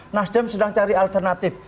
nasdem sedang cari alternatif